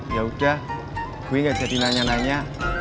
yaudah gue gak jadi nanya nanya